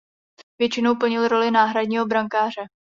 Většinou plnil roli náhradního brankáře.